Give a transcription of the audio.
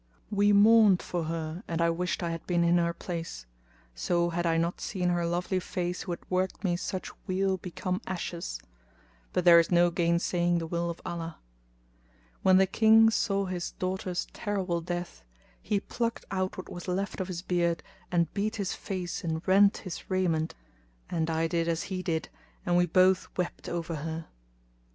We mourned for her and I wished I had been in her place, so had I not seen her lovely face who had worked me such weal become ashes; but there is no gainsaying the will of Allah. When the King saw his daughter's terrible death, he plucked out what was left of his beard and beat his face and rent his raiment; and I did as he did and we both wept over her.